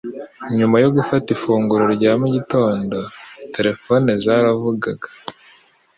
Nyuma yo gufata ifunguro rya mu gitondo terefone zaravugaga